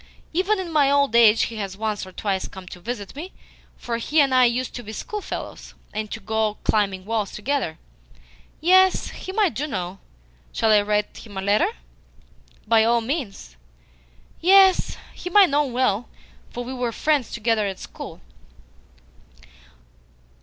Even in my old age he has once or twice come to visit me, for he and I used to be schoolfellows, and to go climbing walls together. Yes, him I do know. Shall I write him a letter?" "By all means." "Yes, him I know well, for we were friends together at school."